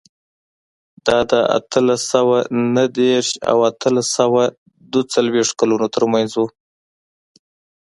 دا د اتلس سوه نهه دېرش او اتلس سوه دوه څلوېښت کلونو ترمنځ و.